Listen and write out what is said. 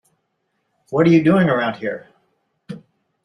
What are you doing around here?